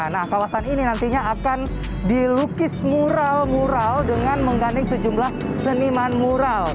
nah kawasan ini nantinya akan dilukis mural mural dengan mengganding sejumlah seniman mural